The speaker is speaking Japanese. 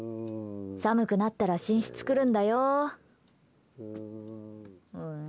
寒くなったら寝室来るんだよ。